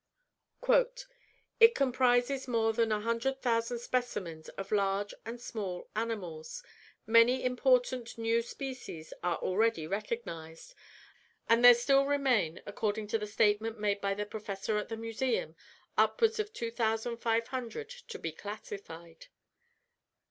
"It comprises more than 100,000 specimens of large and small animals. Many important new species are already recognized, and there still remain, according to the statement made by the professor at the museum, upwards of 2500 to be classified."